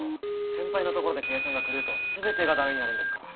先輩のところで計算が狂うとすべてが駄目になるんですから。